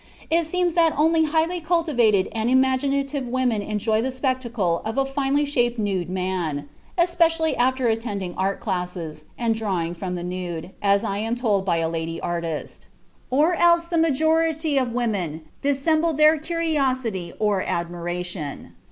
It seems that only highly cultivated and imaginative women enjoy the spectacle of a finely shaped nude man (especially after attending art classes, and drawing from the nude, as I am told by a lady artist). Or else the majority of women dissemble their curiosity or admiration.